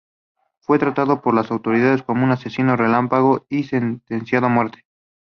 Fue tratado por las autoridades como un asesino relámpago y sentenciado a muerte.